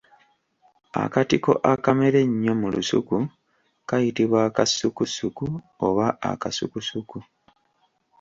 Akatiko akamera ennyo mu lusuku kayitibwa akassukussuku oba akasukusuku.